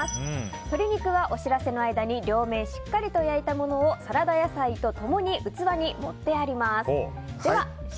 鶏肉はお知らせの間に両面しっかり焼いたものをサラダ野菜と共に器に盛ってあります。